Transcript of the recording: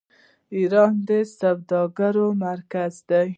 ایران د سوداګرۍ مرکز دی.